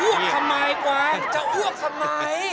ทำไมกวางจะอ้วกทำไม